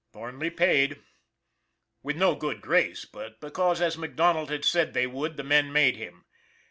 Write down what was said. Thornley paid. With no good grace, but because, as MacDonald had said they would, the men made him.